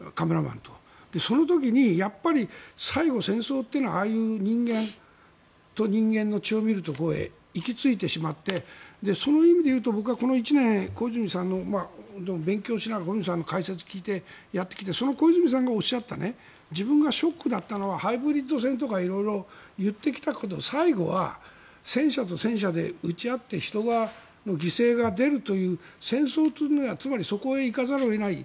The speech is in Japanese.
その時にやっぱり最後、戦争というのはああいう人間と人間の血を見るところへ行き着いてしまってそういう意味でいうと僕はこの１年、勉強しながら小泉さんの解説を聞いてやっていてその小泉さんがおっしゃった自分がショックだったのはハイブリッド戦とか色々いってきたけど最後は戦車と戦車で撃ち合って人の犠牲が出るという戦争というのは、つまりそこへ行かざるを得ない。